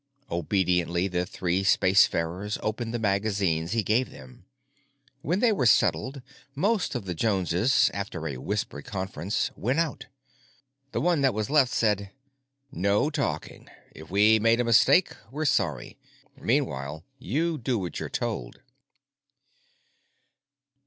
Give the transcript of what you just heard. Obediently the three spacefarers opened the magazines he gave them. When they were settled, most of the Joneses, after a whispered conference, went out. The one that was left said, "No talking. If we made a mistake, we're sorry. Meanwhile, you do what you're told."